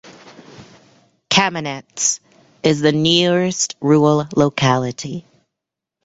Kamenets is the nearest rural locality.